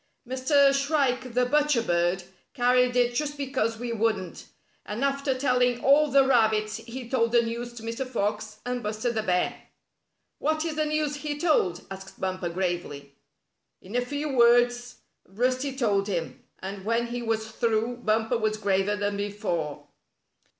''Mr. Shrike the Butcher Bird carried it just because we wouldn't. And after telling all the rabbits he told the news to Mr. Fox and Buster the Bear." "What is the news he told?" asked Bumper, gravely. In a few words Rusty told him, and when he was through Bumper was graver than before.